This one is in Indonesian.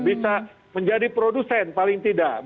bisa menjadi produsen paling tidak